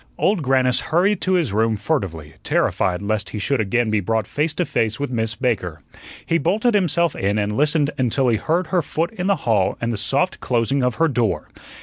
Old Grannis hurried to his room furtively, terrified lest he should again be brought face to face with Miss Baker. He bolted himself in and listened until he heard her foot in the hall and the soft closing of her door.